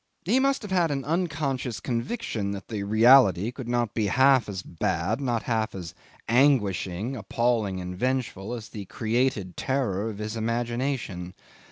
He must have had an unconscious conviction that the reality could not be half as bad, not half as anguishing, appalling, and vengeful as the created terror of his imagination.